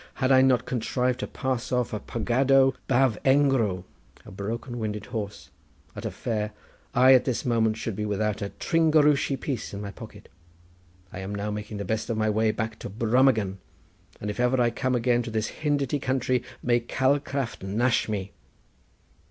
Had I not contrived to pass off a poggado bav engro—a broken winded horse—at a fair, I at this moment should be without a tringoruschee piece in my pocket. I am now making the best of my way back to Brummagem, and if ever I come again to this Hindity country may Calcraft nash me."